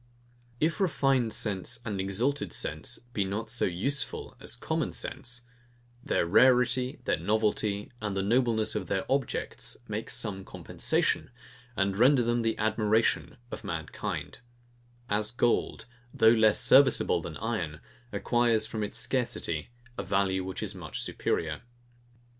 If refined sense and exalted sense be not so USEFUL as common sense, their rarity, their novelty, and the nobleness of their objects make some compensation, and render them the admiration of mankind: As gold, though less serviceable than iron, acquires from its scarcity a value which is much superior.